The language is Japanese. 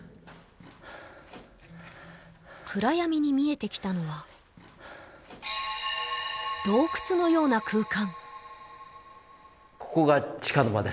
暗闇に見えてきたのは洞窟のような空間